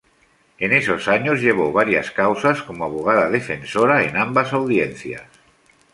En esos años, llevó varias causas como abogada defensora en ambas Audiencias.